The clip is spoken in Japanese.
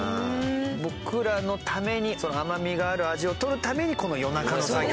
僕らのために甘みがある味を採るためにこの夜中の作業。